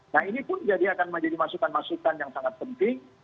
nah ini pun akan menjadi masukan masukan yang sangat penting